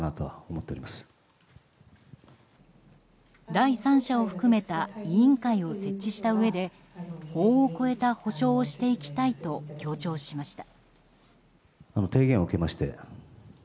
第三者を含めた委員会を設置したうえで法を超えた補償をしていきたいと強調しました。